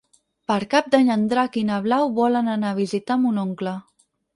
Per Cap d'Any en Drac i na Blau volen anar a visitar mon oncle.